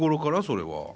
それは。